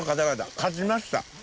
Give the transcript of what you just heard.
勝ちました。